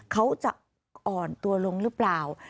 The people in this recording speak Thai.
เขาจะอ่อนตัวลงหรือเปล่า